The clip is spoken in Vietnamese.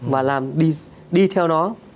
và làm đi theo nó